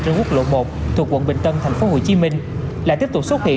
trên quốc lộ một thuộc quận bình tân tp hcm lại tiếp tục xuất hiện